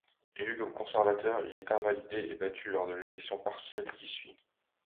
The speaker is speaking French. Élu comme conservateur, il est invalidé et battu lors de l'élection partielle qui suit.